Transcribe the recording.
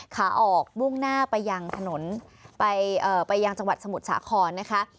ขาออกมุ่งหน้าไปยังถนนไปยังจังหวัดสมุทรสาครนะคะ